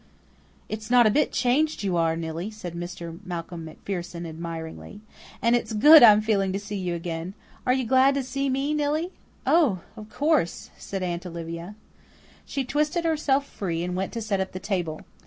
"It's not a bit changed you are, Nillie," said Mr. Malcolm MacPherson admiringly. "And it's good I'm feeling to see you again. Are you glad to see me, Nillie?" "Oh, of course," said Aunt Olivia. She twisted herself free and went to set up the table.